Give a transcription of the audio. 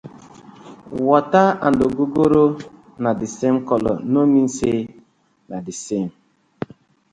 Water and ogogoro na the same colour, no mean say na the same: